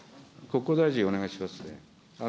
国交大臣、お願いしますね。